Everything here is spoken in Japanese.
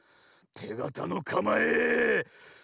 てがたのかまえその１！